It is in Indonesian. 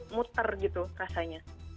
muter gitu rasanya